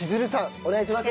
お願いします。